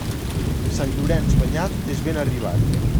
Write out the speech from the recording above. Sant Llorenç banyat és ben arribat.